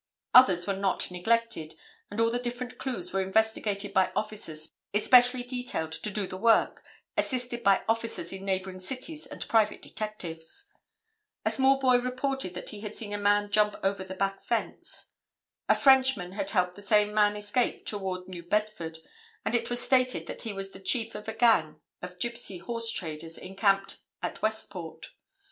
Others were not neglected, and all the different clues were investigated by officers especially detailed to do the work assisted by officers in neighboring cities and private detectives. A small boy reported that he had seen a man jump over the back fence. A Frenchman had helped the same man escape toward New Bedford, and it was stated that he was the chief of a gang of gypsy horse traders encamped at Westport.